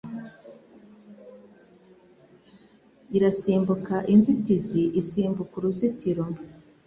Irasimbuka inzitizi, isimbuka uruzitiro,